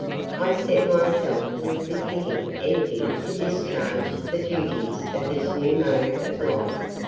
I set myself with befitting energy to discharge the duties of this new mode of life.